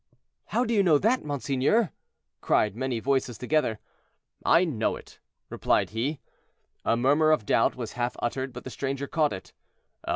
"How do you know that, monseigneur?" cried many voices together. "I know it," replied he. A murmur of doubt was half uttered, but the stranger caught it.